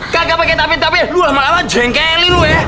kagak pakai tapi lu lama lama jengkelin lu ya